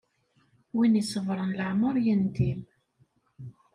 Win isebṛen leɛmeṛ yendim.